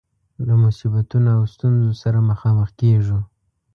له مصیبتونو او ستونزو سره مخامخ کيږو.